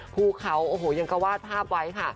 ภูเขาโอ้โหยังก็วาดภาพไว้ค่ะ